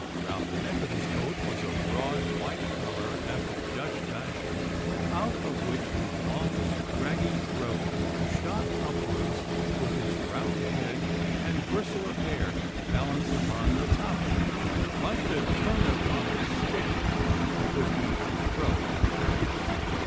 Round the neck of his coat was a broad white collar after the Dutch fashion, out of which his long scraggy throat shot upwards with his round head and bristle of hair balanced upon the top of it, like the turnip on a stick at which we used to throw at the fairs.